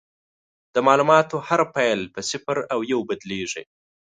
د معلوماتو هر فایل په صفر او یو بدلېږي.